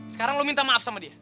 sekarang lo minta maaf sama dia